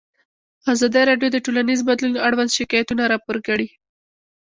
ازادي راډیو د ټولنیز بدلون اړوند شکایتونه راپور کړي.